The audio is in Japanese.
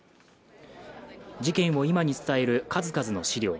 事件を今に伝える数々の資料